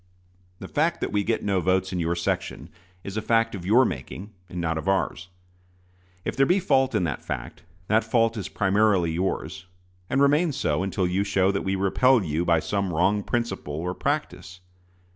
The fact that we get no votes in your section is a fact of your making, and not of ours. And if there be fault in that fact, that fault is primarily yours, and remains so until you show that we repel you by some wrong principle or practice.